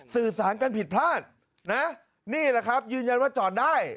สื่อสารกันผิดพลาดนะนี่แหละครับยืนยันว่าจอดได้